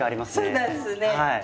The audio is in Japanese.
そうなんですね。